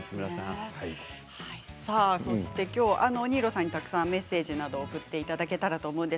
今日、新納さんにたくさんメッセージなど送っていただけたらと思っています。